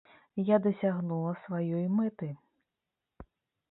Я дасягнула сваёй мэты.